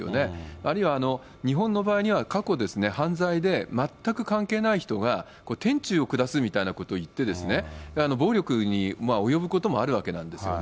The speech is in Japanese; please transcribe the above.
あるいは、日本の場合には過去、犯罪で全く関係ない人がてんちゅうをくだすみたいなことを言って、暴力に及ぶこともあるわけなんですよね。